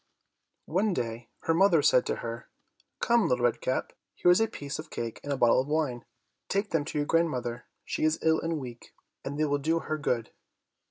One day her mother said to her, "Come, Little Red Cap, here is a piece of cake and a bottle of wine; take them to your grandmother, she is ill and weak, and they will do her good.